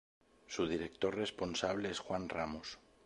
Su director responsable es Juan Ramos.